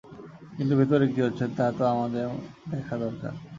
কিন্তু ভেতরে কী হচ্ছে তা তো আমাদের দেখা দরকার।